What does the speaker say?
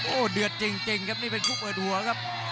โอ้โหเดือดจริงครับนี่เป็นคู่เปิดหัวครับ